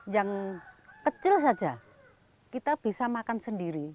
yang kecil saja kita bisa makan sendiri